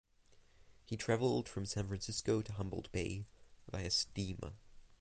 He traveled from San Francisco to Humboldt Bay via "steamer".